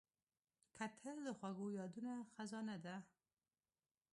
کتل د خوږو یادونو خزانه ده